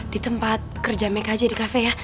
di tempat kerja meka aja di kafe ya